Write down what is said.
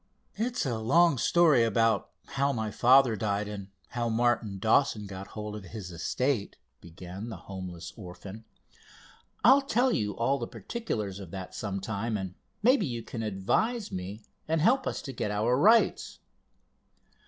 "It's a long story about how my father died, and how Martin Dawson got hold of his estate," began the homeless orphan. "I'll tell you all the particulars of that some time, and maybe you can advise me, and help us to get our rights.